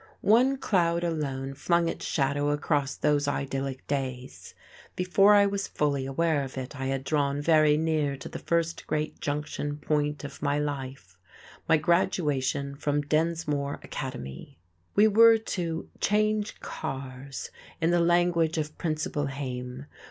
One cloud alone flung its shadow across these idyllic days. Before I was fully aware of it I had drawn very near to the first great junction point of my life, my graduation from Densmore Academy. We were to "change cars," in the language of Principal Haime.